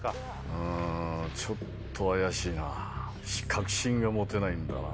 うんちょっと怪しいな確信が持てないんだな